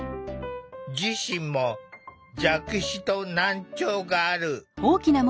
自身も弱視と難聴がある。